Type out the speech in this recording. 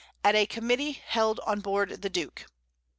At a Committee held on Board the Duke.